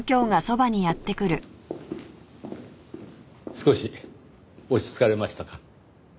少し落ち着かれましたか？